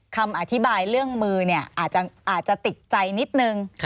คำอธิบายเรื่องมือเนี่ยอาจจะติดใจนิดนึง